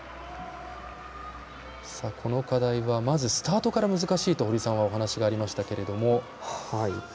この課題はスタートから難しいと堀さんからお話がありましたけど。